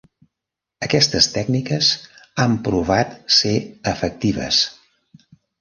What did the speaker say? Aquestes tècniques han provat ser efectives.